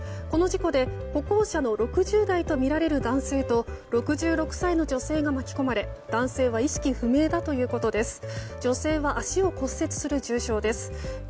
この事故で歩行者の６０代とみられる男性と６６歳の女性が巻き込まれ男性は意識不明だということです。